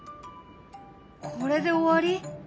これで終わり？